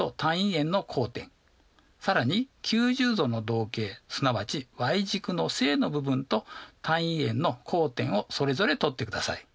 ９０°の動径すなわちｙ軸の正の部分と単位円の交点をそれぞれ取ってください。